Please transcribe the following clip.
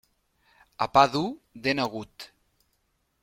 A pa dur, dent agut.